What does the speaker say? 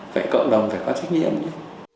vậy cộng đồng phải có trách nhiệm nhé